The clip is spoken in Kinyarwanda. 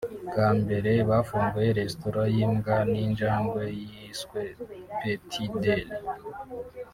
bwa mbere hafunguwe resitora y’imbwa n’injangwe yiswe Pets Deli